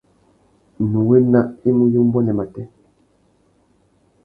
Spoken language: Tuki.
Nnú wena i mú ya umbuênê matê.